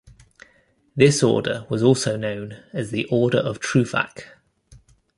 This Order was also known as the Order of Trufac.